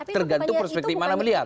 tergantung perspektif mana melihat